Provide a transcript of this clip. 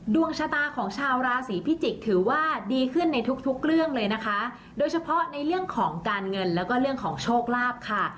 ดวงชะตาของชาวราศีพิจิกษ์ถือว่าดีขึ้นในทุกทุกเรื่องเลยนะคะโดยเฉพาะในเรื่องของการเงินแล้วก็เรื่องของโชคลาภค่ะ